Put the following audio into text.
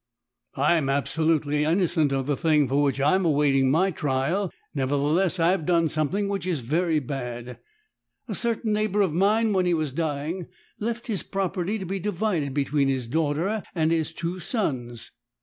"I am abso lutely innocent of the thing for which I am awaiting my trial : nevertheless, I have done something which is very bad. A certain neighbour of mine when he was dying left his property to be divided between his daughter and his two sons.